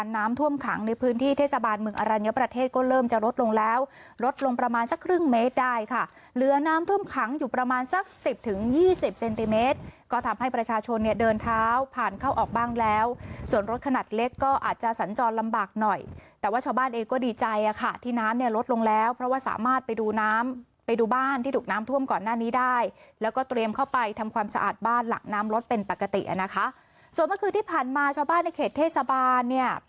น้ำท่วมขังในพื้นที่เทศบาลเมืองอรัญญาประเทศก็เริ่มจะลดลงแล้วลดลงประมาณสักครึ่งเมตรได้ค่ะเหลือน้ำท่วมขังอยู่ประมาณสักสิบถึงยี่สิบเซนติเมตรก็ทำให้ประชาชนเนี่ยเดินเท้าผ่านเข้าออกบ้างแล้วส่วนรถขนาดเล็กก็อาจจะสัญจรลำบากหน่อยแต่ว่าชาวบ้านเองก็ดีใจอ่ะค่ะที่น้ำเนี่